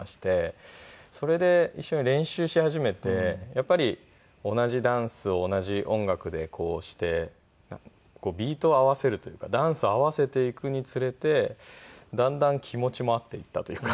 それで一緒に練習し始めてやっぱり同じダンスを同じ音楽でこうしてビートを合わせるというかダンスを合わせていくにつれてだんだん気持ちも合っていったというか。